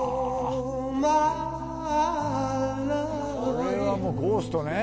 これは『ゴースト』ね。